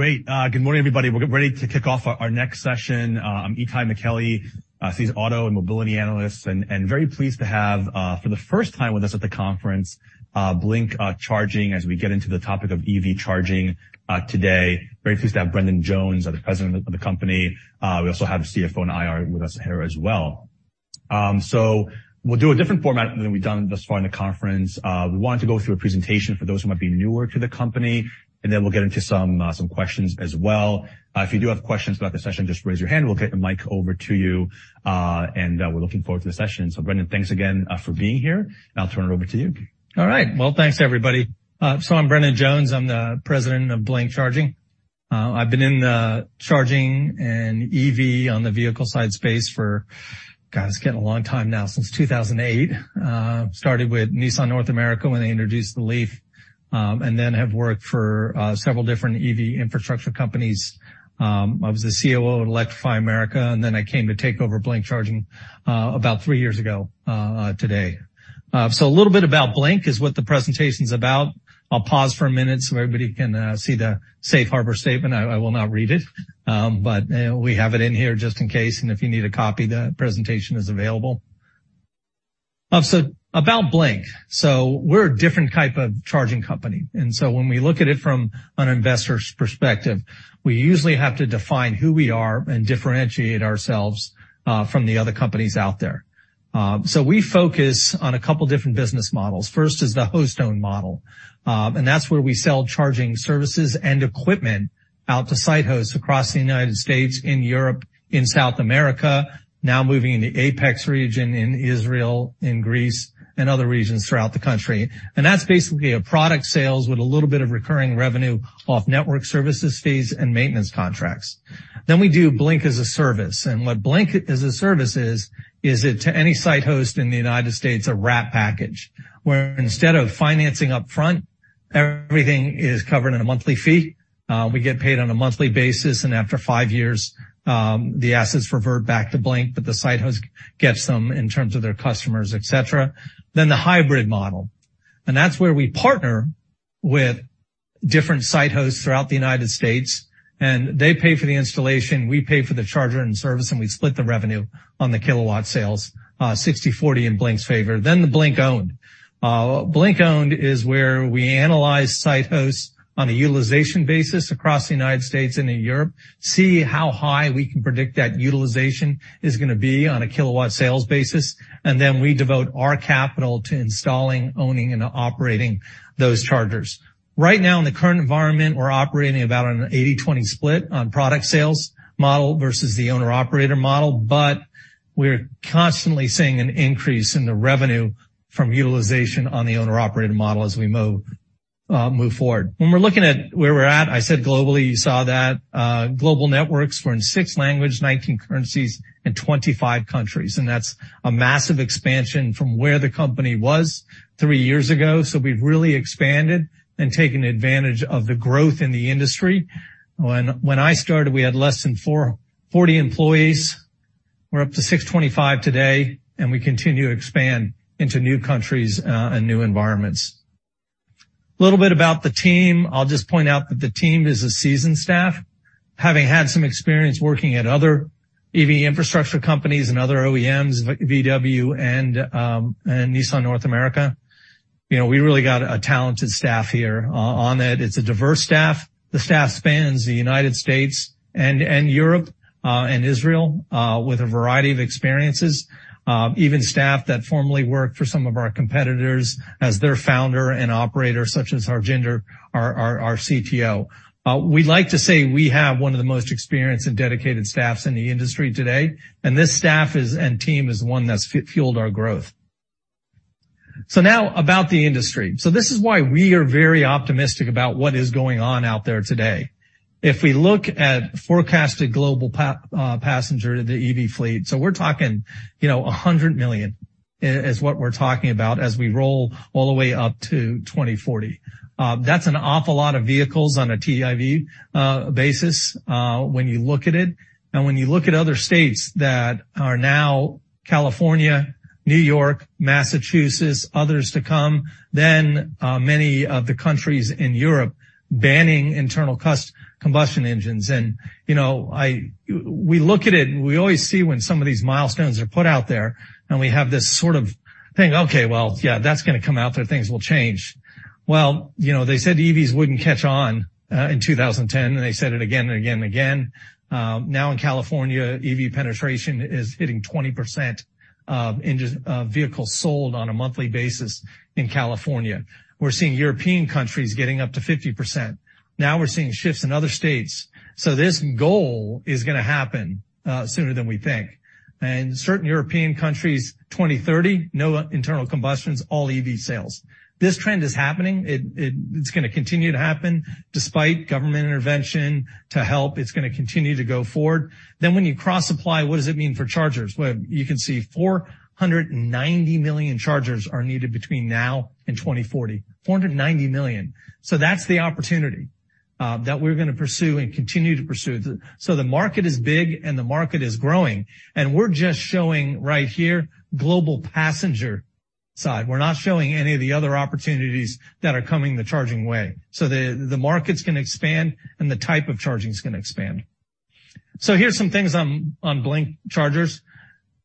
Great. Good morning, everybody. We're getting ready to kick off our next session. I'm Itay Michaeli, seasoned auto and mobility analyst and very pleased to have for the first time with us at the conference, Blink Charging as we get into the topic of EV charging today. Very pleased to have Brendan Jones, the President of the company. We also have the CFO and IR with us here as well. We'll do a different format than we've done thus far in the conference. We wanted to go through a presentation for those who might be newer to the company, and then we'll get into some questions as well. If you do have questions about the session, just raise your hand. We'll get the mic over to you. We're looking forward to the session. Brendan, thanks again, for being here, and I'll turn it over to you. All right. Well, thanks, everybody. I'm Brendan Jones. I'm the President of Blink Charging. I've been in the charging and EV on the vehicle side space for, God, it's getting a long time now, since 2008. Started with Nissan North America when they introduced the Leaf, have worked for several different EV infrastructure companies. I was the COO at Electrify America, I came to take over Blink Charging about 3 years ago today. A little bit about Blink is what the presentation's about. I'll pause for a minute so everybody can see the safe harbor statement. I will not read it, we have it in here just in case, if you need a copy, the presentation is available. About Blink. We're a different type of charging company. When we look at it from an investor's perspective, we usually have to define who we are and differentiate ourselves from the other companies out there. We focus on a couple different business models. First is the host-owned model. That's where we sell charging services and equipment out to site hosts across the United States, in Europe, in South America, now moving into Apex region in Israel, in Greece and other regions throughout the country. That's basically a product sales with a little bit of recurring revenue off network services fees and maintenance contracts. We do Blink as a Service. What Blink as a Service is it to any site host in the United States a wrap package, where instead of financing up front, everything is covered in a monthly fee. We get paid on a monthly basis, and after 5 years, the assets revert back to Blink, but the site host gets them in terms of their customers, et cetera. The hybrid model, and that's where we partner with different site hosts throughout the United States, and they pay for the installation, we pay for the charger and service, and we split the revenue on the kilowatt sales, 60/40 in Blink's favor. The Blink-owned. Blink-owned is where we analyze site hosts on a utilization basis across the United States and in Europe, see how high we can predict that utilization is gonna be on a kilowatt sales basis, and then we devote our capital to installing, owning, and operating those chargers. Right now in the current environment, we're operating about on an 80/20 split on product sales model versus the owner/operator model. We're constantly seeing an increase in the revenue from utilization on the owner/operator model as we move forward. We're looking at where we're at, I said globally, you saw that global networks. We're in 6 language, 19 currencies, and 25 countries. That's a massive expansion from where the company was 3 years ago. We've really expanded and taken advantage of the growth in the industry. When I started, we had less than 40 employees. We're up to 625 today. We continue to expand into new countries and new environments. Little bit about the team. I'll just point out that the team is a seasoned staff, having had some experience working at other EV infrastructure companies and other OEMs, VW and Nissan North America. You know, we really got a talented staff here on it. It's a diverse staff. The staff spans the United States and Europe and Israel with a variety of experiences. Even staff that formerly worked for some of our competitors as their founder and operator, such as Harjinder, our CTO. We'd like to say we have one of the most experienced and dedicated staffs in the industry today, and this staff and team is one that's fueled our growth. Now about the industry. This is why we are very optimistic about what is going on out there today. If we look at forecasted global passenger to the EV fleet, so we're talking, you know, 100 million is what we're talking about as we roll all the way up to 2040. That's an awful lot of vehicles on a TIV basis when you look at it. Now, when you look at other states that are now California, New York, Massachusetts, others to come, then many of the countries in Europe banning internal combustion engines. You know, we look at it, and we always see when some of these milestones are put out there, and we have this sort of thing, okay, well, yeah, that's gonna come out there. Things will change. Well, you know, they said EVs wouldn't catch on in 2010, and they said it again and again and again. Now in California, EV penetration is hitting 20%, in just vehicles sold on a monthly basis in California. We're seeing European countries getting up to 50%. Now we're seeing shifts in other states. This goal is gonna happen sooner than we think. Certain European countries, 2030, no internal combustions, all EV sales. This trend is happening. It's gonna continue to happen. Despite government intervention to help, it's gonna continue to go forward. When you cross-supply, what does it mean for chargers? Well, you can see $490 million chargers are needed between now and 2040. $490 million. That's the opportunity that we're gonna pursue and continue to pursue. The market is big, and the market is growing, and we're just showing right here global passenger side. We're not showing any of the other opportunities that are coming the charging way. The market's gonna expand and the type of charging is gonna expand. Here's some things on Blink chargers.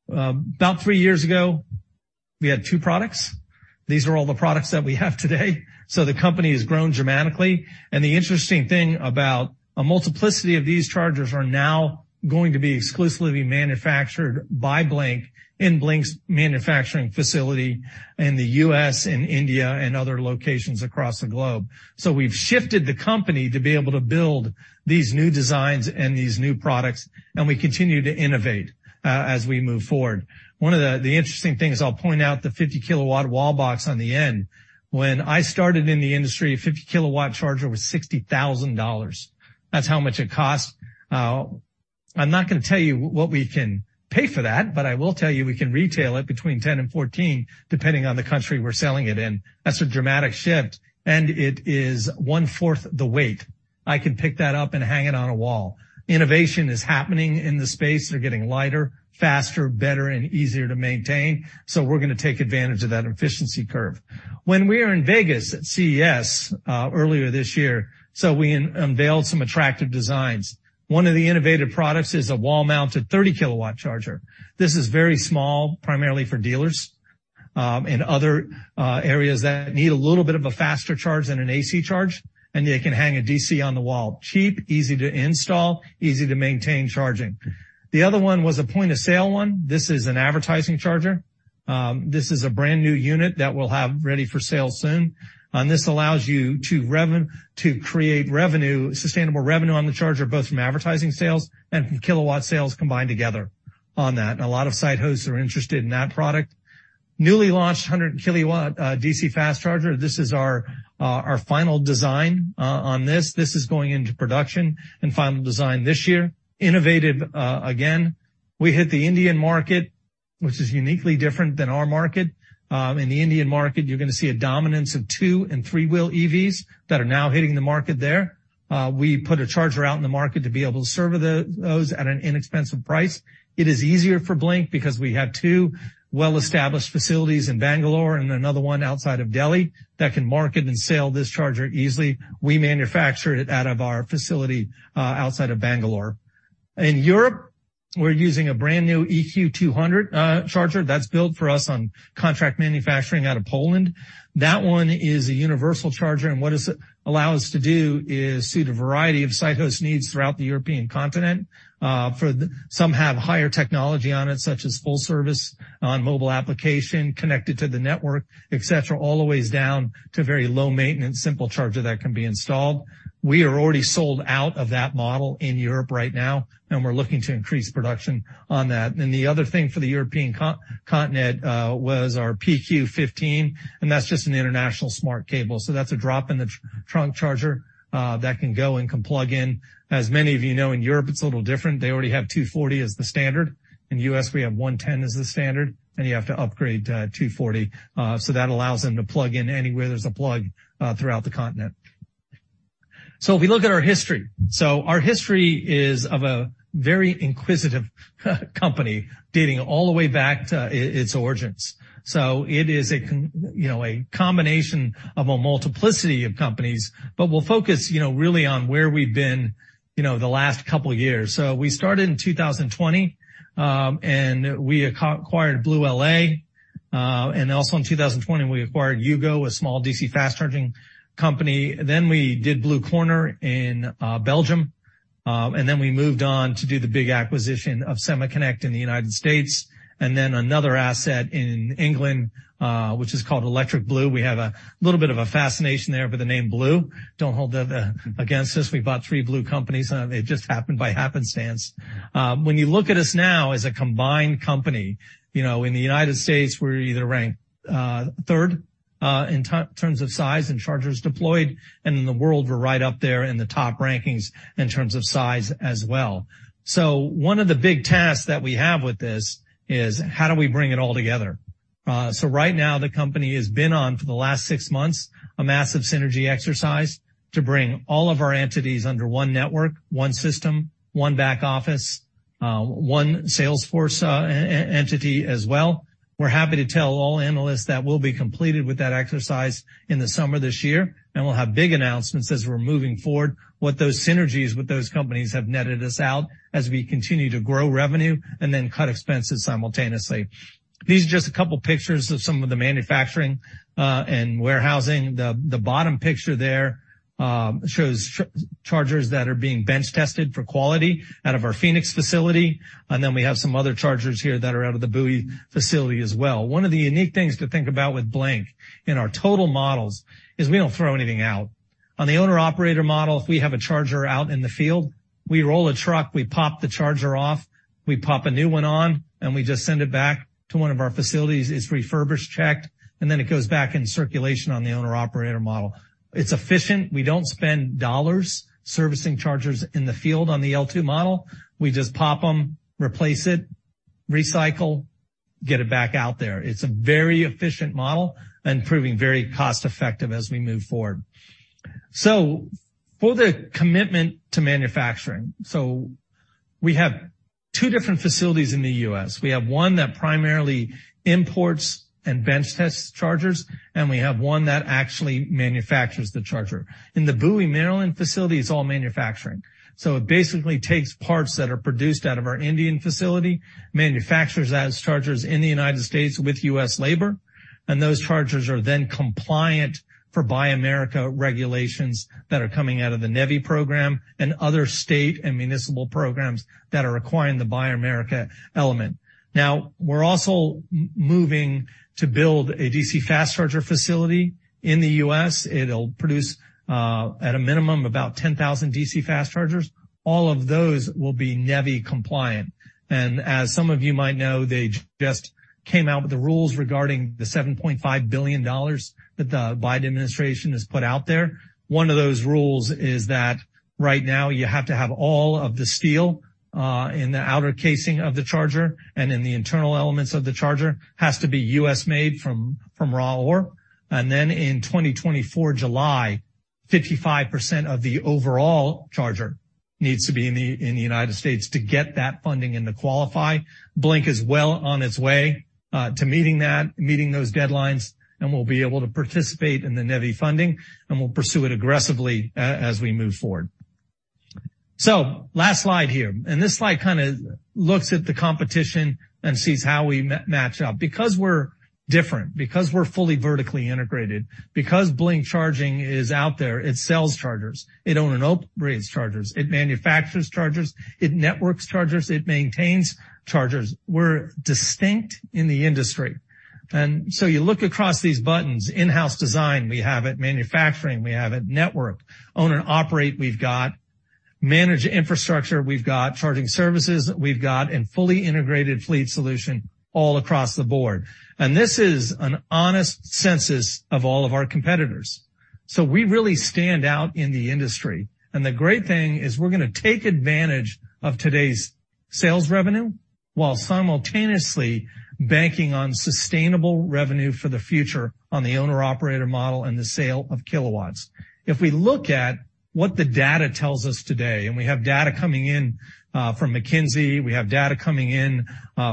About 3 years ago, we had two products. These are all the products that we have today. The company has grown dramatically. The interesting thing about a multiplicity of these chargers are now going to be exclusively manufactured by Blink in Blink's manufacturing facility in the U.S. and India and other locations across the globe. We've shifted the company to be able to build these new designs and these new products, and we continue to innovate as we move forward. One of the interesting things, I'll point out the 50-kilowatt wall box on the end. When I started in the industry, a 50-kilowatt charger was $60,000. That's how much it cost. I'm not gonna tell you what we can pay for that. I will tell you, we can retail it between $10 and $14, depending on the country we're selling it in. That's a dramatic shift. It is one-fourth the weight. I can pick that up and hang it on a wall. Innovation is happening in the space. They're getting lighter, faster, better, and easier to maintain. We're gonna take advantage of that efficiency curve. When we were in Vegas at CES earlier this year, we unveiled some attractive designs. One of the innovative products is a wall-mounted 30-kilowatt charger. This is very small, primarily for dealers, and other areas that need a little bit of a faster charge than an AC charge. They can hang a DC on the wall. Cheap, easy to install, easy to maintain charging. The other one was a point-of-sale one. This is an advertising charger. This is a brand-new unit that we'll have ready for sale soon. This allows you to create revenue, sustainable revenue on the charger, both from advertising sales and from kilowatt sales combined together on that. A lot of site hosts are interested in that product. Newly launched 100-kilowatt DC fast charging. This is our final design on this. This is going into production and final design this year. Innovative, again. We hit the Indian market, which is uniquely different than our market. In the Indian market, you're gonna see a dominance of 2 and 3-wheel EVs that are now hitting the market there. We put a charger out in the market to be able to serve those at an inexpensive price. It is easier for Blink because we have two well-established facilities in Bangalore and another one outside of Delhi that can market and sell this charger easily. We manufacture it out of our facility outside of Bangalore. In Europe, we're using a brand-new EQ 200 charger that's built for us on contract manufacturing out of Poland. That one is a universal charger. What this allow us to do is suit a variety of site host needs throughout the European continent. For the Some have higher technology on it, such as full service on mobile application, connected to the network, et cetera, all the way down to very low maintenance, simple charger that can be installed. We are already sold out of that model in Europe right now, and we're looking to increase production on that. The other thing for the European continent was our PQ 150, and that's just an international smart cable. That's a drop-in-the-trunk charger that can go and can plug in. As many of you know, in Europe, it's a little different. They already have 240 as the standard. In U.S., we have 110 as the standard, and you have to upgrade to 240. That allows them to plug in anywhere there's a plug throughout the continent. If we look at our history, our history is of a very inquisitive company dating all the way back to its origins. It is you know, a combination of a multiplicity of companies, but we'll focus, you know, really on where we've been, you know, the last couple years. We started in 2020, and we acquired BlueLA. And also in 2020, we acquired U-Go, a small DC fast charging company. We did Blue Corner in Belgium. And then we moved on to do the big acquisition of SemaConnect in the United States, and then another asset in England, which is called Electric Blue. We have a little bit of a fascination there for the name Blue. Don't hold that against us. We bought three Blue companies, and it just happened by happenstance. When you look at us now as a combined company, you know, in the United States, we're either ranked, third, in terms of size and chargers deployed, and in the world, we're right up there in the top rankings in terms of size as well. One of the big tasks that we have with this is how do we bring it all together? Right now, the company has been on, for the last 6 months, a massive synergy exercise to bring all of our entities under one network, one system, one back office, one sales force e-entity as well. We're happy to tell all analysts that we'll be completed with that exercise in the summer this year, and we'll have big announcements as we're moving forward, what those synergies with those companies have netted us out as we continue to grow revenue and then cut expenses simultaneously. These are just a couple pictures of some of the manufacturing and warehousing. The bottom picture there shows chargers that are being bench-tested for quality out of our Phoenix facility, and then we have some other chargers here that are out of the Bowie facility as well. One of the unique things to think about with Blink in our total models is we don't throw anything out. On the owner-operator model, if we have a charger out in the field, we roll a truck, we pop the charger off, we pop a new one on, and we just send it back to one of our facilities. It's refurbished, checked, and then it goes back in circulation on the owner-operator model. It's efficient. We don't spend $ servicing chargers in the field on the L2 model. We just pop them, replace it, recycle, get it back out there. It's a very efficient model and proving very cost-effective as we move forward. For the commitment to manufacturing, we have two different facilities in the U.S. We have one that primarily imports and bench tests chargers, and we have one that actually manufactures the charger. In the Bowie, Maryland facility, it's all manufacturing. It basically takes parts that are produced out of our Indian facility, manufactures as chargers in the United States with U.S. labor, and those chargers are then compliant for Buy America regulations that are coming out of the NEVI program and other state and municipal programs that are requiring the Buy America element. We're also moving to build a DC fast charger facility in the U.S. It'll produce, at a minimum, about 10,000 DC fast chargers. All of those will be NEVI compliant. As some of you might know, they just came out with the rules regarding the $7.5 billion that the Biden administration has put out there. One of those rules is that right now you have to have all of the steel in the outer casing of the charger and in the internal elements of the charger has to be U.S. made from raw ore. Then in 2024 July, 55% of the overall charger needs to be in the United States to get that funding and to qualify. Blink is well on its way to meeting those deadlines, and we'll be able to participate in the NEVI funding and we'll pursue it aggressively as we move forward. Last slide here, this slide kinda looks at the competition and sees how we match up because we're different, because we're fully vertically integrated, because Blink Charging is out there, it sells chargers, it own and operates chargers, it manufactures chargers, it networks chargers, it maintains chargers. We're distinct in the industry. You look across these buttons. In-house design, we have it. Manufacturing, we have it. Network, own and operate, we've got. Manage infrastructure, we've got. Charging services, we've got. Fully integrated fleet solution all across the board. This is an honest census of all of our competitors. We really stand out in the industry. The great thing is we're gonna take advantage of today's sales revenue while simultaneously banking on sustainable revenue for the future on the owner/operator model and the sale of kilowatts. If we look at what the data tells us today, we have data coming in from McKinsey, we have data coming in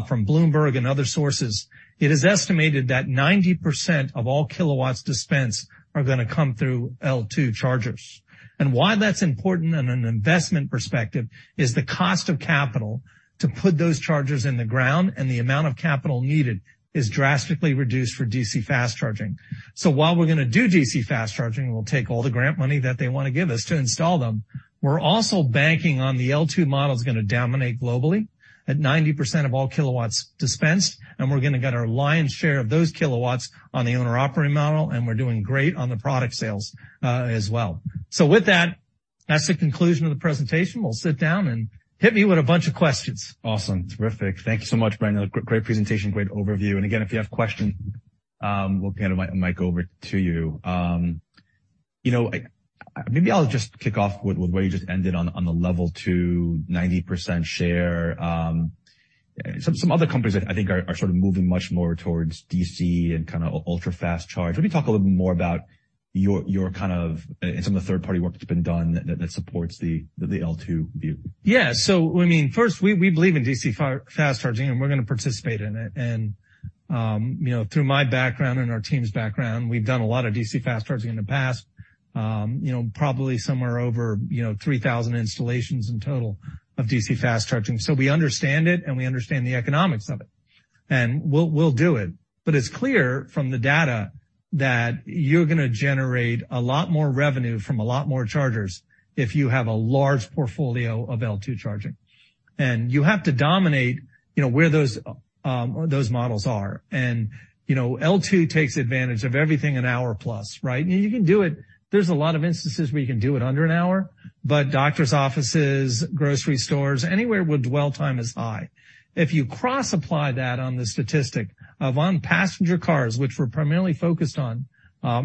from Bloomberg and other sources. It is estimated that 90% of all kilowatts dispensed are gonna come through L2 chargers. Why that's important in an investment perspective is the cost of capital to put those chargers in the ground and the amount of capital needed is drastically reduced for DC fast charging. While we're gonna do DC fast charging, we'll take all the grant money that they wanna give us to install them, we're also banking on the L2 model's gonna dominate globally at 90% of all kilowatts dispensed, and we're gonna get our lion's share of those kilowatts on the owner/operator model, and we're doing great on the product sales as well. With that's the conclusion of the presentation. We'll sit down, and hit me with a bunch of questions. Awesome. Terrific. Thank you so much, Brendan Jones. A great presentation, great overview. If you have questions, we'll hand a mic over to you. You know, maybe I'll just kick off with where you just ended on the Level 2 90% share. Some other companies I think are sort of moving much more towards DC and kinda ultra-fast charge. Let me talk a little bit more about your kind of... some of the third-party work that's been done that supports the L2 view. Yeah. I mean, first, we believe in DC fast charging, and we're going to participate in it. Through my background and our team's background, we've done a lot of DC fast charging in the past. Probably somewhere over 3,000 installations in total of DC fast charging. We understand it, and we understand the economics of it, and we'll do it. It's clear from the data that you're gonna generate a lot more revenue from a lot more chargers if you have a large portfolio of L2 charging. You have to dominate, where those models are. L2 takes advantage of everything an hour plus, right? You can do it. There's a lot of instances where you can do it under an hour. Doctor's offices, grocery stores, anywhere where dwell time is high. If you cross-apply that on the statistic of on passenger cars, which we're primarily focused on,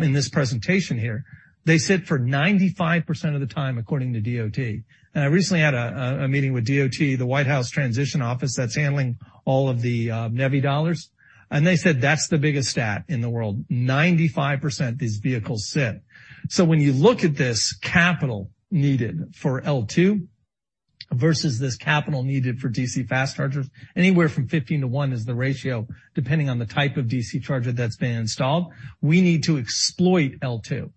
in this presentation here, they sit for 95% of the time according to DOT. I recently had a meeting with DOT, the White House transition office that's handling all of the NEVI dollars, and they said that's the biggest stat in the world. 95% these vehicles sit. When you look at this capital needed for L2 versus this capital needed for DC fast chargers, anywhere from 15 to 1 is the ratio, depending on the type of DC charger that's been installed. We need to exploit L2.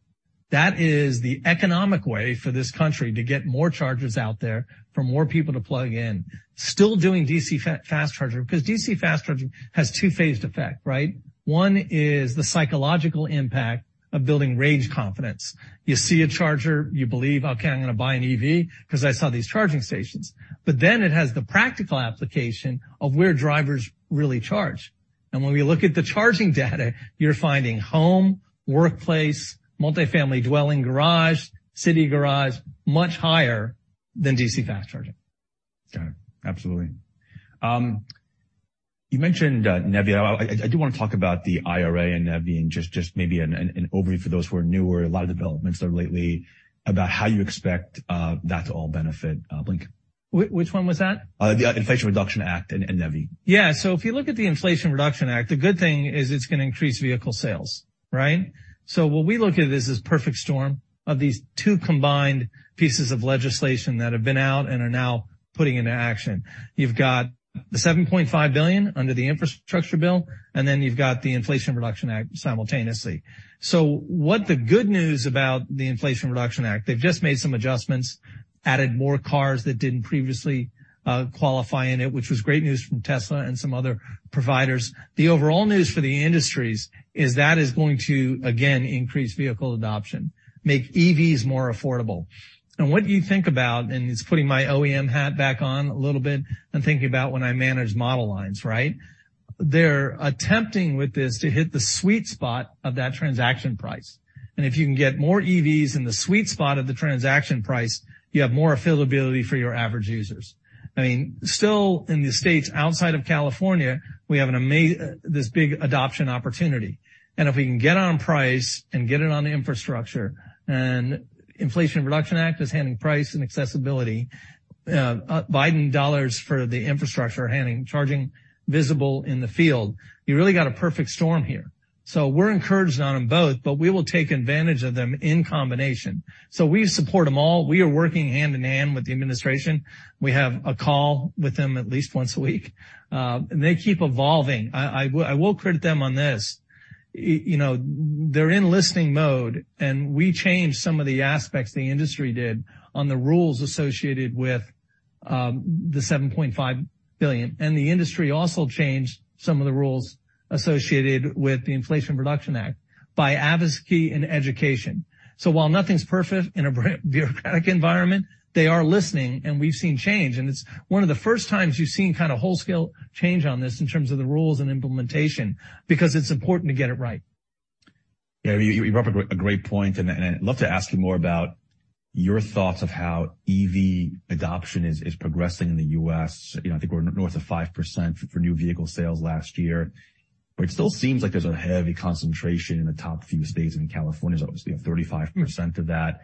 That is the economic way for this country to get more chargers out there for more people to plug in. Still doing DC fast charger because DC fast charging has two-phased effect, right? One is the psychological impact of building range confidence. You see a charger, you believe, "Okay, I'm gonna buy an EV 'cause I saw these charging stations." It has the practical application of where drivers really charge. When we look at the charging data, you're finding home, workplace, multifamily dwelling garage, city garage much higher than DC fast charging. Got it. Absolutely. You mentioned NEVI. I do wanna talk about the IRA and NEVI and just maybe an overview for those who are newer. A lot of developments there lately about how you expect that to all benefit Blink. Which one was that? The Inflation Reduction Act and NEVI. Yeah. If you look at the Inflation Reduction Act, the good thing is it's gonna increase vehicle sales, right? What we look at is this perfect storm of these two combined pieces of legislation that have been out and are now putting into action. You've got the $7.5 billion under the Infrastructure Bill, and then you've got the Inflation Reduction Act simultaneously. What the good news about the Inflation Reduction Act, they've just made some adjustments, added more cars that didn't previously qualify in it, which was great news from Tesla and some other providers. The overall news for the industries is that is going to again increase vehicle adoption, make EVs more affordable. What you think about, and it's putting my OEM hat back on a little bit and thinking about when I manage model lines, right? They're attempting with this to hit the sweet spot of that transaction price. If you can get more EVs in the sweet spot of the transaction price, you have more availability for your average users. I mean, still in the States outside of California, we have this big adoption opportunity. If we can get on price and get it on infrastructure and Inflation Reduction Act is handing price and accessibility, Biden dollars for the infrastructure, handing charging visible in the field, you really got a perfect storm here. We're encouraged on them both, but we will take advantage of them in combination. We support them all. We are working hand in hand with the administration. We have a call with them at least once a week. They keep evolving. I will credit them on this. You know, they're in listening mode. We changed some of the aspects the industry did on the rules associated with $7.5 billion. The industry also changed some of the rules associated with the Inflation Reduction Act by advocacy and education. While nothing's perfect in a bureaucratic environment, they are listening, and we've seen change. It's one of the first times you've seen kind of whole scale change on this in terms of the rules and implementation, because it's important to get it right. You brought up a great point, and I'd love to ask you more about your thoughts of how EV adoption is progressing in the U.S. You know, I think we're north of 5% for new vehicle sales last year, but it still seems like there's a heavy concentration in the top few states, and California is obviously a 35% of that.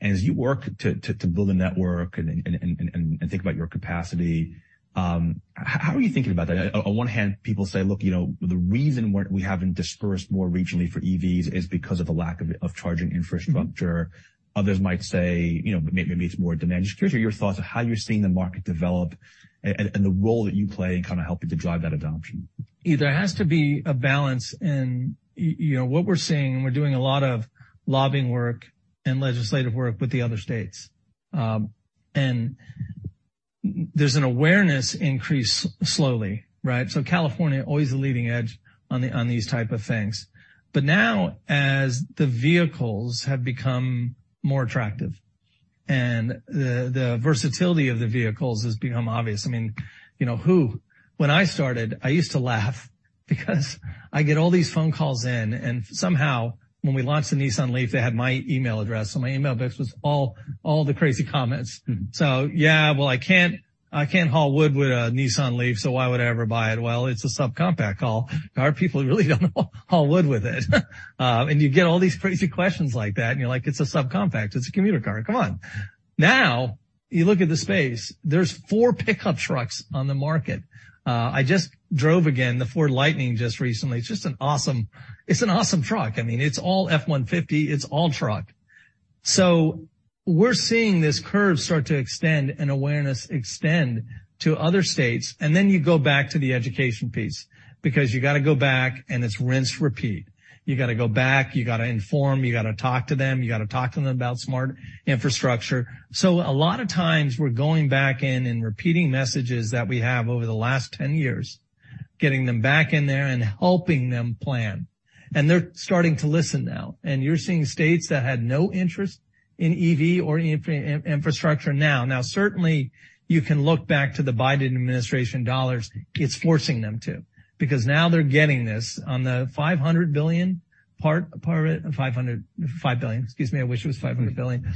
As you work to build a network and think about your capacity, how are you thinking about that? On one hand, people say, look, you know, the reason we haven't dispersed more regionally for EVs is because of the lack of charging infrastructure. Others might say, you know, maybe it's more demand. Just curious your thoughts of how you're seeing the market develop and the role that you play in kind of helping to drive that adoption. There has to be a balance. You know, what we're seeing, we're doing a lot of lobbying work and legislative work with the other states. There's an awareness increase slowly, right? California always the leading edge on these type of things. Now as the vehicles have become more attractive and the versatility of the vehicles has become obvious. I mean, you know When I started, I used to laugh because I get all these phone calls in, and somehow when we launched the Nissan LEAF, they had my email address, so my email box was all the crazy comments. Mm-hmm. Yeah, well, I can't, I can't haul wood with a Nissan LEAF, so why would I ever buy it? Well, it's a subcompact haul. Car people really don't haul wood with it. And you get all these crazy questions like that, and you're like, "It's a subcompact. It's a commuter car. Come on." Now you look at the space. There's 4 pickup trucks on the market. I just drove again the Ford Lightning just recently. It's an awesome truck. I mean, it's all F-150. It's all truck. We're seeing this curve start to extend and awareness extend to other states. You go back to the education piece because you got to go back and it's rinse, repeat. You got to go back, you got to inform, you got to talk to them, you got to talk to them about smart infrastructure. A lot of times we're going back in and repeating messages that we have over the last 10 years, getting them back in there and helping them plan. They're starting to listen now. You're seeing states that had no interest in EV or infrastructure now. Certainly you can look back to the Biden administration dollars. It's forcing them to, because now they're getting this on the $500 billion part of it. $5 billion. Excuse me. I wish it was $500 billion.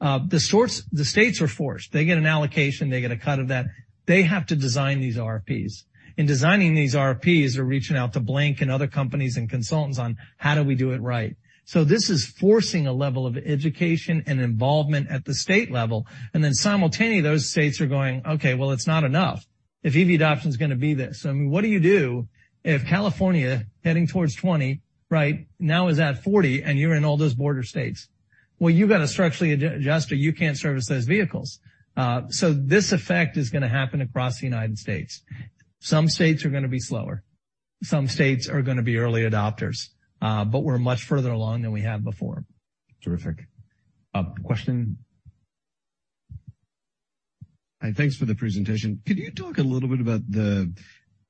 The states are forced. They get an allocation. They get a cut of that. They have to design these RFPs. In designing these RFPs, they're reaching out to Blink and other companies and consultants on how do we do it right. This is forcing a level of education and involvement at the state level. Simultaneously, those states are going, "Okay, well, it's not enough if EV adoption is gonna be this." I mean, what do you do if California heading towards 20 right now is at 40 and you're in all those border states? You got to structurally adjust or you can't service those vehicles. This effect is gonna happen across the United States. Some states are gonna be slower, some states are gonna be early adopters. We're much further along than we have before. Terrific. A question. Thanks for the presentation. Could you talk a little bit about the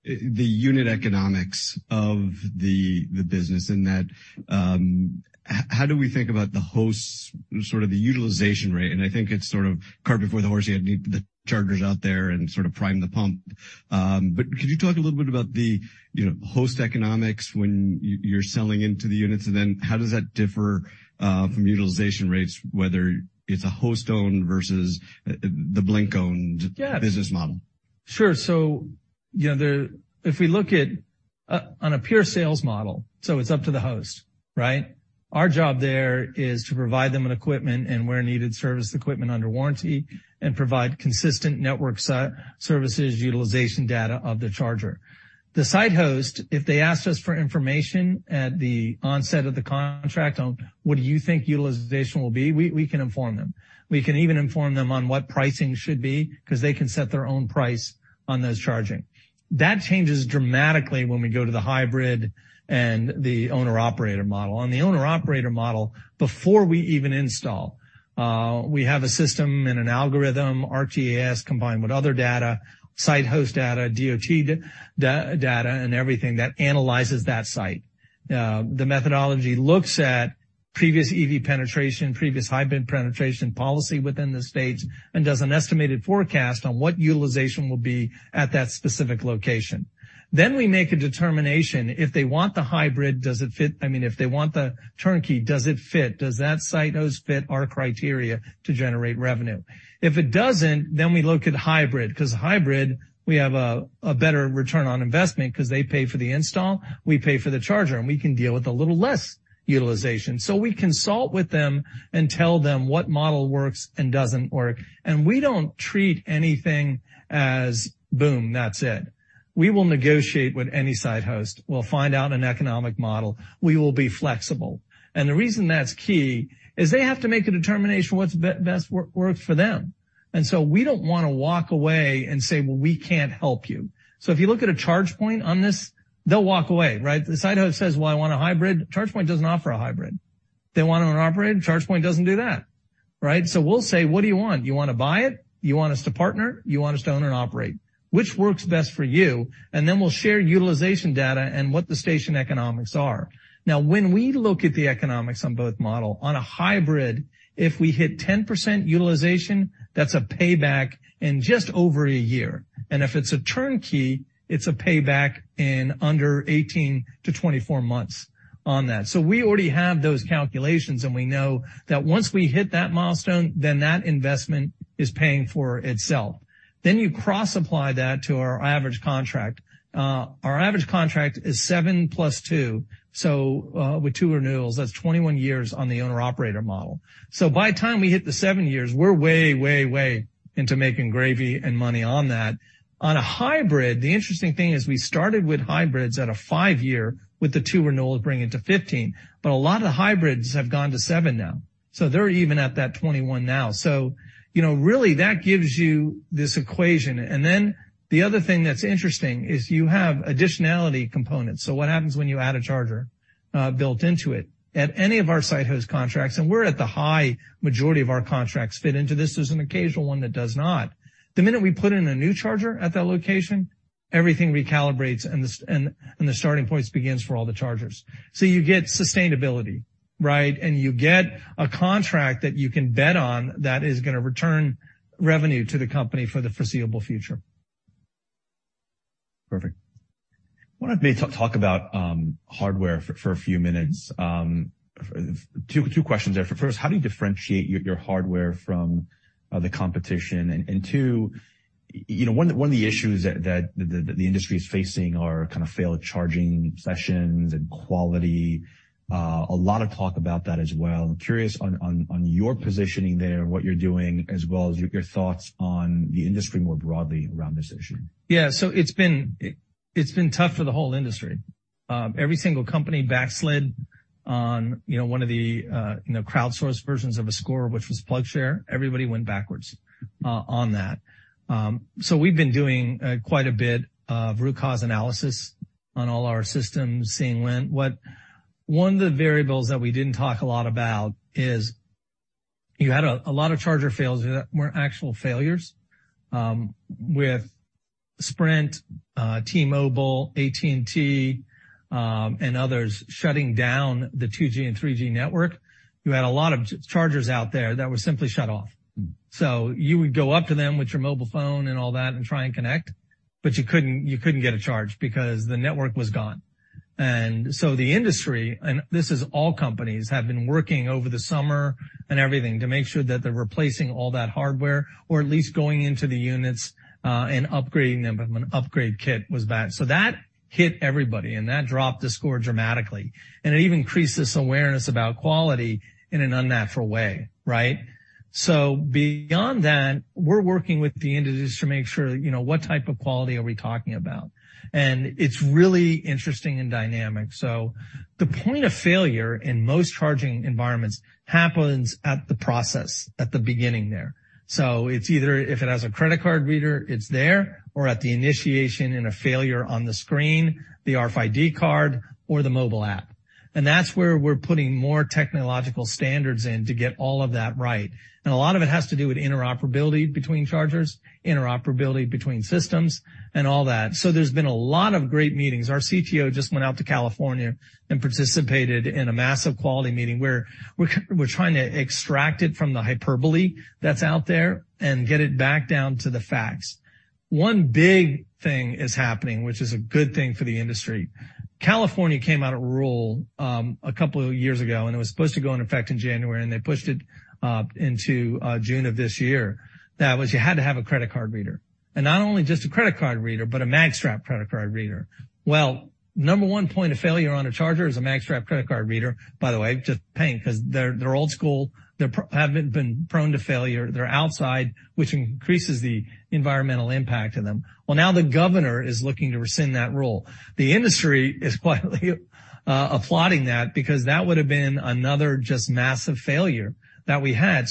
unit economics of the business in that, how do we think about the host, sort of the utilization rate? I think it's sort of cart before the horse. You need the chargers out there and sort of prime the pump. Could you talk a little bit about the, you know, host economics when you're selling into the units? How does that differ from utilization rates, whether it's a host-owned versus the Blink-owned business model? Sure. You know, if we look at on a pure sales model, it's up to the host, right? Our job there is to provide them an equipment and where needed service equipment under warranty and provide consistent network services utilization data of the charger. The site host, if they asked us for information at the onset of the contract on what do you think utilization will be, we can inform them. We can even inform them on what pricing should be 'cause they can set their own price on those charging. That changes dramatically when we go to the hybrid and the owner/operator model. On the owner/operator model, before we even install, we have a system and an algorithm, RTAS, combined with other data, site host data, DOT data, and everything that analyzes that site. The methodology looks at previous EV penetration, previous hybrid penetration policy within the states and does an estimated forecast on what utilization will be at that specific location. We make a determination if they want the hybrid, I mean, if they want the turnkey, does it fit? Does that site host fit our criteria to generate revenue? If it doesn't, then we look at hybrid 'cause the hybrid we have a better return on investment 'cause they pay for the install, we pay for the charger, and we can deal with a little less utilization. We consult with them and tell them what model works and doesn't work. We don't treat anything as, "Boom, that's it." We will negotiate with any site host. We'll find out an economic model. We will be flexible. The reason that's key is they have to make a determination what's best works for them. We don't wanna walk away and say, "Well, we can't help you." If you look at a ChargePoint on this, they'll walk away, right? The site host says, "Well, I want a hybrid," ChargePoint doesn't offer a hybrid. They want an operator, ChargePoint doesn't do that, right? We'll say, "What do you want? Do you wanna buy it? Do you want us to partner? You want us to own and operate? Which works best for you?" We'll share utilization data and what the station economics are. Now when we look at the economics on both model, on a hybrid, if we hit 10% utilization, that's a payback in just over a year. If it's a turnkey, it's a payback in under 18-24 months on that. We already have those calculations, and we know that once we hit that milestone, then that investment is paying for itself. You cross-apply that to our average contract. Our average contract is 7+2, so, with 2 renewals, that's 21 years on the owner/operator model. By the time we hit the 7 years, we're way into making gravy and money on that. On a hybrid, the interesting thing is we started with hybrids at a 5-year with the 2 renewals bringing it to 15, but a lot of the hybrids have gone to 7 now, so they're even at that 21 now. You know, really that gives you this equation. The other thing that's interesting is you have additionality components. What happens when you add a charger built into it? At any of our site host contracts, and we're at the high majority of our contracts fit into this. There's an occasional one that does not. The minute we put in a new charger at that location, everything recalibrates and the starting points begins for all the chargers. You get sustainability, right? You get a contract that you can bet on that is gonna return revenue to the company for the foreseeable future. Perfect. Why don't we talk about hardware for a few minutes. Two questions there. First, how do you differentiate your hardware from the competition? Two, you know, one of the issues that the industry is facing are kind of failed charging sessions and quality. A lot of talk about that as well. I'm curious on your positioning there and what you're doing as well as your thoughts on the industry more broadly around this issue. Yeah. It's been tough for the whole industry. Every single company backslid on, you know, one of the, you know, crowdsourced versions of a score, which was PlugShare. Everybody went backwards on that. We've been doing quite a bit of root cause analysis on all our systems, seeing One of the variables that we didn't talk a lot about is you had a lot of charger fails that weren't actual failures. With Sprint, T-Mobile, AT&T, and others shutting down the 2G and 3G network, you had a lot of j-chargers out there that were simply shut off. You would go up to them with your mobile phone and all that and try and connect, but you couldn't get a charge because the network was gone. The industry, and this is all companies, have been working over the summer and everything to make sure that they're replacing all that hardware or at least going into the units, and upgrading them with an upgrade kit was back. That hit everybody, and that dropped the score dramatically. It even increased this awareness about quality in an unnatural way, right? Beyond that, we're working with the industry to make sure, you know, what type of quality are we talking about. It's really interesting and dynamic. The point of failure in most charging environments happens at the process, at the beginning there. It's either if it has a credit card reader, it's there, or at the initiation in a failure on the screen, the RFID card or the mobile app. That's where we're putting more technological standards in to get all of that right. A lot of it has to do with interoperability between chargers, interoperability between systems and all that. There's been a lot of great meetings. Our CTO just went out to California and participated in a massive quality meeting where we're trying to extract it from the hyperbole that's out there and get it back down to the facts. One big thing is happening, which is a good thing for the industry. California came out a rule a couple of years ago, and it was supposed to go in effect in January, they pushed it into June of this year. That was you had to have a credit card reader. Not only just a credit card reader, but a magstripe credit card reader. Number one point of failure on a charger is a magstripe credit card reader. By the way, just pain because they're old school. They've been prone to failure. They're outside, which increases the environmental impact of them. Now the governor is looking to rescind that rule. The industry is quietly applauding that because that would have been another just massive failure that we had.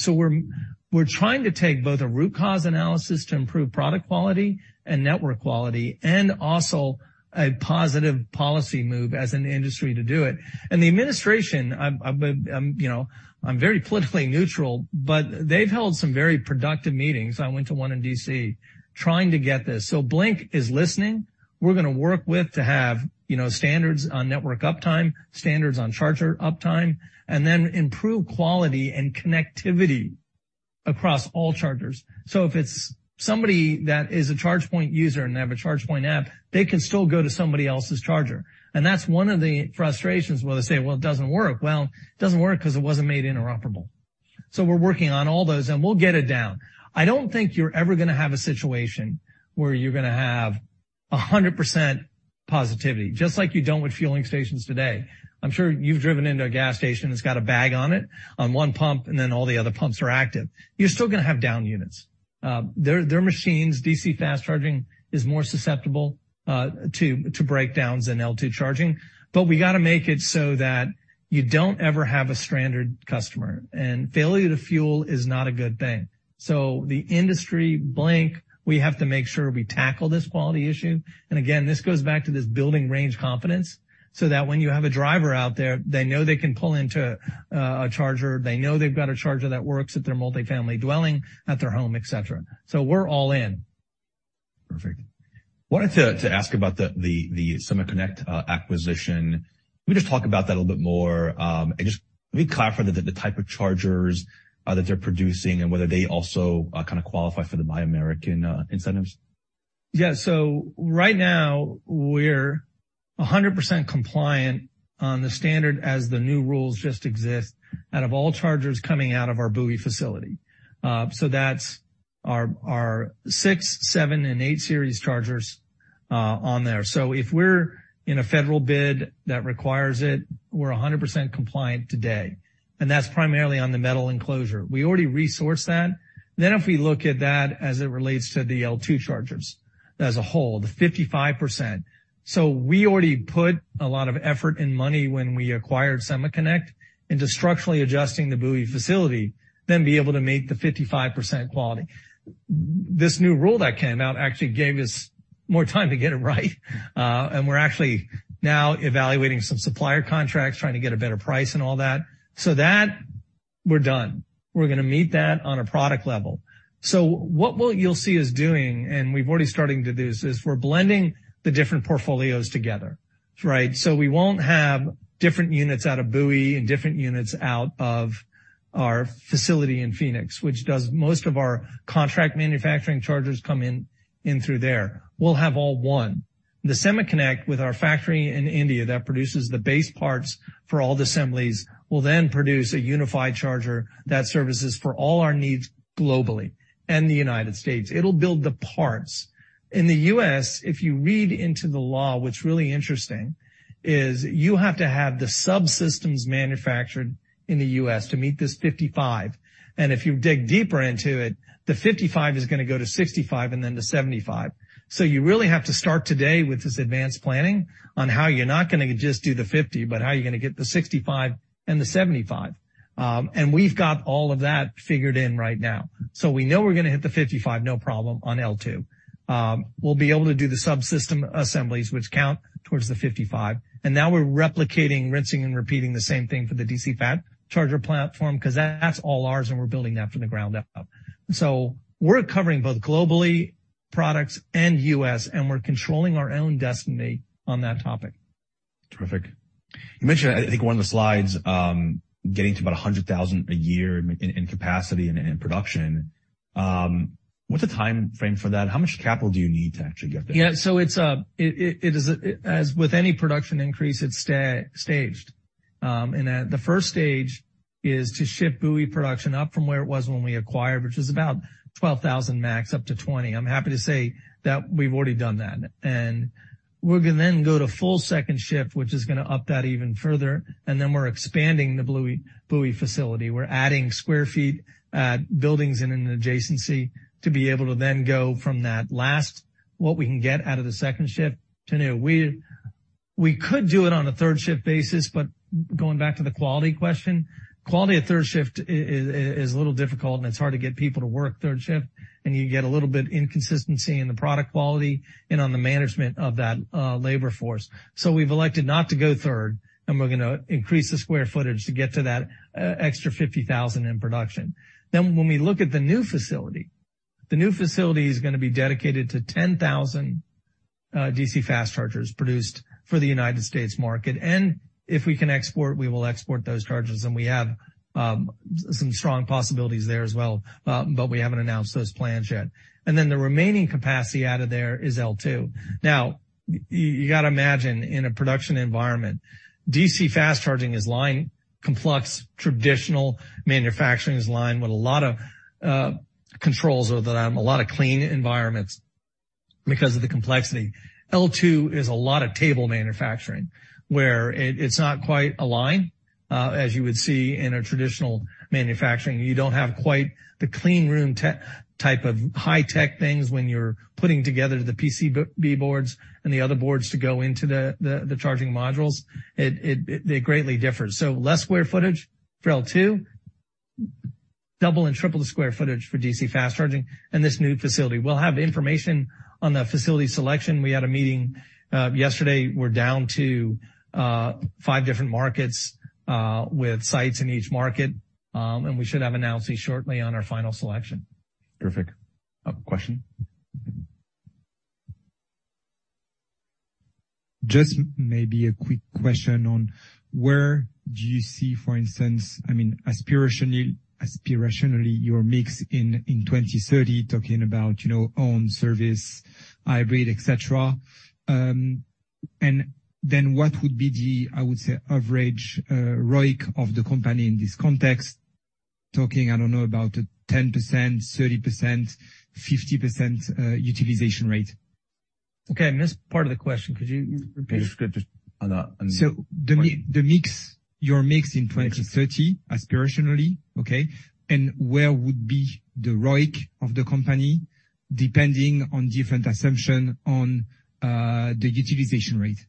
We're trying to take both a root cause analysis to improve product quality and network quality and also a positive policy move as an industry to do it. The administration, I'm, you know, I'm very politically neutral, but they've held some very productive meetings, I went to one in D.C., trying to get this. Blink is listening. We're gonna work with to have, you know, standards on network uptime, standards on charger uptime, and then improve quality and connectivity across all chargers. If it's somebody that is a ChargePoint user and they have a ChargePoint app, they can still go to somebody else's charger. That's one of the frustrations where they say, "Well, it doesn't work." Well, it doesn't work 'cause it wasn't made interoperable. We're working on all those, and we'll get it down. I don't think you're ever gonna have a situation where you're gonna have 100% positivity, just like you don't with fueling stations today. I'm sure you've driven into a gas station that's got a bag on it on one pump, and then all the other pumps are active. You're still gonna have down units. They're machines. DC fast charging is more susceptible to breakdowns than L2 charging. We gotta make it so that you don't ever have a stranded customer. Failure to fuel is not a good thing. The industry Blink, we have to make sure we tackle this quality issue. Again, this goes back to this building range confidence, so that when you have a driver out there, they know they can pull into a charger, they know they've got a charger that works at their multi-family dwelling, at their home, et cetera. We're all in. Perfect. Wanted to ask about the SemaConnect acquisition. Can we just talk about that a little bit more and just be clear for the type of chargers that they're producing and whether they also kinda qualify for the Buy American incentives? Yeah. Right now we're 100% compliant on the standard as the new rules just exist out of all chargers coming out of our Bowie facility. That's our 6, 7, and 8 series chargers on there. If we're in a federal bid that requires it, we're 100% compliant today. That's primarily on the metal enclosure. We already resourced that. If we look at that as it relates to the L2 chargers as a whole, the 55%. We already put a lot of effort and money when we acquired SemaConnect into structurally adjusting the Bowie facility, then be able to meet the 55% quality. This new rule that came out actually gave us more time to get it right. We're actually now evaluating some supplier contracts, trying to get a better price and all that. That we're done. We're gonna meet that on a product level. What you'll see us doing, and we've already starting to do this, is we're blending the different portfolios together, right? We won't have different units out of Bowie and different units out of our facility in Phoenix, which does most of our contract manufacturing chargers come in through there. We'll have all one. The SemaConnect with our factory in India that produces the base parts for all the assemblies will then produce a unified charger that services for all our needs globally and the United States. It'll build the parts. In the U.S., if you read into the law, what's really interesting is you have to have the subsystems manufactured in the U.S. to meet this 55%. If you dig deeper into it, the 55 is gonna go to 65 and then to 75. You really have to start today with this advanced planning on how you're not gonna just do the 50, but how are you gonna get the 65 and the 75. We've got all of that figured in right now. We know we're gonna hit the 55, no problem on L2. We'll be able to do the subsystem assemblies, which count towards the 55. Now we're replicating, rinsing, and repeating the same thing for the DC fast charger platform 'cause that's all ours and we're building that from the ground up. We're covering both globally products and U.S., and we're controlling our own destiny on that topic. Terrific. You mentioned, I think one of the slides, getting to about 100,000 a year in capacity and in production. What's the timeframe for that? How much capital do you need to actually get there? Yeah. It is, as with any production increase, it's staged. At the first stage is to ship Bowie production up from where it was when we acquired, which is about 12,000 max up to 20. I'm happy to say that we've already done that. We're gonna then go to full second shift, which is gonna up that even further. We're expanding the Bowie facility. We're adding sq ft, buildings in an adjacency to be able to then go from that last, what we can get out of the second shift to new. We could do it on a third shift basis, but going back to the quality question, quality of third shift is a little difficult, and it's hard to get people to work third shift, and you get a little bit inconsistency in the product quality and on the management of that labor force. We've elected not to go third, and we're gonna increase the square footage to get to that extra 50,000 in production. The new facility is gonna be dedicated to 10,000 DC fast chargers produced for the United States market. If we can export, we will export those chargers, and we have some strong possibilities there as well, but we haven't announced those plans yet. The remaining capacity out of there is L2. You gotta imagine, in a production environment, DC fast charging is line complex. Traditional manufacturing is line with a lot of controls over them, a lot of clean environments because of the complexity. L2 is a lot of table manufacturing, where it's not quite a line as you would see in a traditional manufacturing. You don't have quite the clean room type of high-tech things when you're putting together the PCB boards and the other boards to go into the charging modules. It greatly differs. Less square footage for L2. Double and triple the square footage for DC fast charging in this new facility. We'll have information on the facility selection. We had a meeting yesterday. We're down to five different markets with sites in each market, and we should have an announcement shortly on our final selection. Perfect. A question? Just maybe a quick question on where do you see, for instance, I mean, aspirationally, your mix in 2030, talking about, you know, own service, hybrid, et cetera. What would be the, I would say, average ROIC of the company in this context? Talking, I don't know, about 10%, 30%, 50% utilization rate. Okay. I missed part of the question. Could you repeat it? It's good. Just on a... The mix, your mix in 2030, aspirationally, okay? Where would be the ROIC of the company, depending on different assumption on the utilization rate?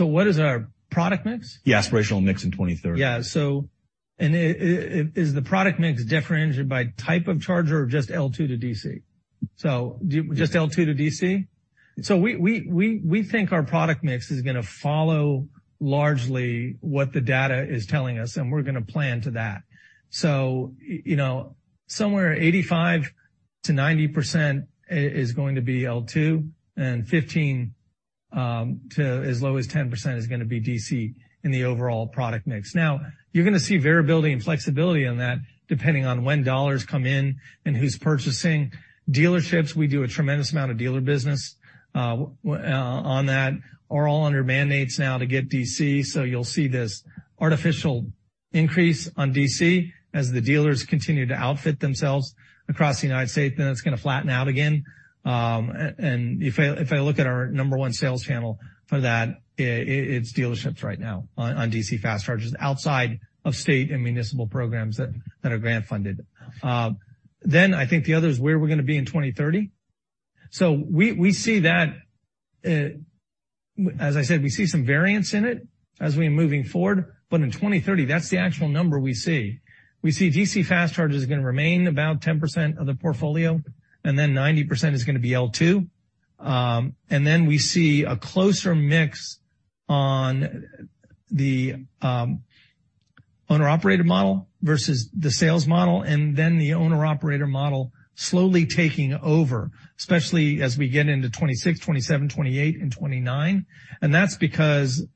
What is our product mix? The aspirational mix in 2030. Yeah. Is the product mix differentiated by type of charger or just L2 to DC? Just L2 to DC? We think our product mix is gonna follow largely what the data is telling us, and we're gonna plan to that. You know, somewhere 85%-90% is going to be L2 and 15 to as low as 10% is gonna be DC in the overall product mix. You're gonna see variability and flexibility on that, depending on when $ come in and who's purchasing. Dealerships, we do a tremendous amount of dealer business on that, are all under mandates now to get DC. You'll see this artificial increase on DC as the dealers continue to outfit themselves across the United States. It's gonna flatten out again. If I look at our number one sales channel for that, it's dealerships right now on DC fast chargers outside of state and municipal programs that are grant funded. I think the other is where we're gonna be in 2030. We see that. As I said, we see some variance in it as we're moving forward, but in 2030, that's the actual number we see. We see DC fast chargers are gonna remain about 10% of the portfolio, and then 90% is gonna be L2. We see a closer mix on the owner operator model versus the sales model, and then the owner operator model slowly taking over, especially as we get into 2026, 2027, 2028 and 2029. That's because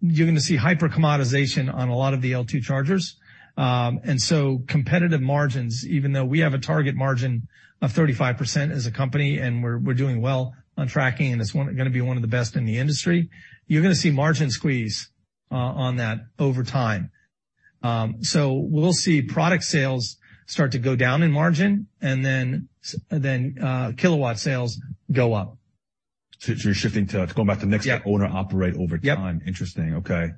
you're gonna see hypercommoditization on a lot of the L2 chargers. Competitive margins, even though we have a target margin of 35% as a company, and we're doing well on tracking and it's gonna be one of the best in the industry, you're gonna see margin squeeze on that over time. We'll see product sales start to go down in margin and then kilowatt sales go up. It's going back to the next owner operate over time. Yep. Interesting. Okay.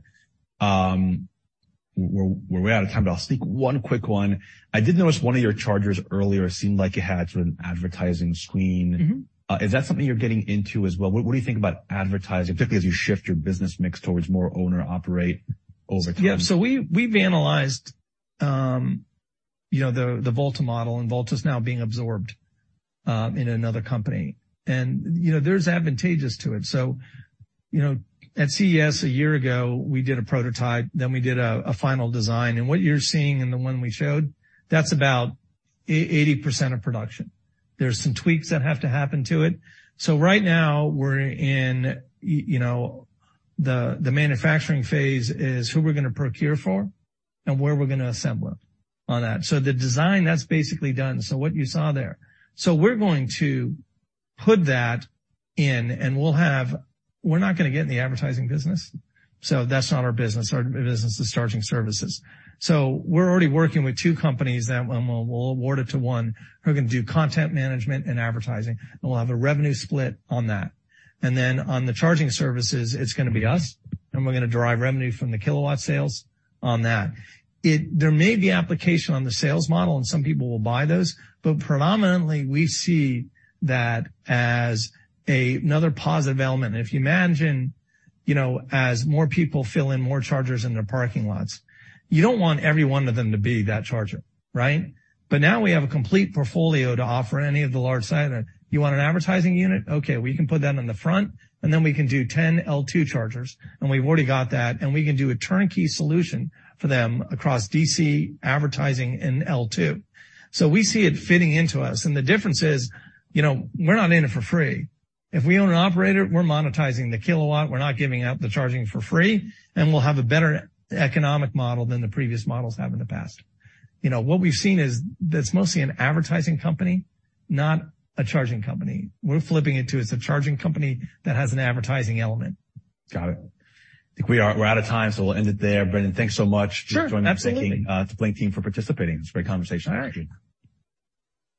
We're out of time, but I'll sneak one quick one. I did notice one of your chargers earlier seemed like it had an advertising screen. Mm-hmm. Is that something you're getting into as well? What, what do you think about advertising, particularly as you shift your business mix towards more owner operate over time? We've analyzed, you know, the Volta model, and Volta's now being absorbed in another company. You know, there's advantageous to it. You know, at CES a year ago, we did a prototype, then we did a final design. What you're seeing in the one we showed, that's about 80% of production. There's some tweaks that have to happen to it. Right now we're in, you know, the manufacturing phase is who we're gonna procure for and where we're gonna assemble on that. The design, that's basically done. What you saw there. We're going to put that in, and we'll have. We're not gonna get in the advertising business. That's not our business. Our business is charging services. We're already working with 2 companies, and we'll award it to 1, who are gonna do content management and advertising, and we'll have a revenue split on that. Then on the charging services, it's gonna be us, and we're gonna derive revenue from the kilowatt sales on that. There may be application on the sales model, and some people will buy those, but predominantly, we see that as another positive element. If you imagine, you know, as more people fill in more chargers in their parking lots, you don't want every 1 of them to be that charger, right? Now we have a complete portfolio to offer any of the large sites. You want an advertising unit? Okay, we can put that in the front, and then we can do 10 L2 chargers, and we've already got that. We can do a turnkey solution for them across DC, advertising, and L2. We see it fitting into us, and the difference is, you know, we're not in it for free. If we own and operate it, we're monetizing the kilowatt. We're not giving out the charging for free, and we'll have a better economic model than the previous models have in the past. You know, what we've seen is that it's mostly an advertising company, not a charging company. We're flipping it to it's a charging company that has an advertising element. Got it. I think we're out of time, so we'll end it there. Brendan, thanks so much. Sure. Absolutely. For joining us. Thank you, to Blink team for participating. It's a great conversation. All right. Thank you.